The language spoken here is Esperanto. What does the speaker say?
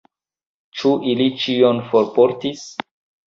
Ĉu ili ĉion forportis?